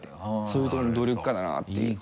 そういうところも努力家だなっていう。